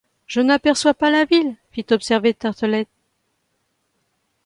Je n’aperçois pas la ville, fit observer Tartelett...